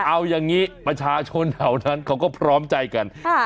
เอายังงี้ประชาชนเหล่านั้นเขาก็พร้อมใจกันฮะ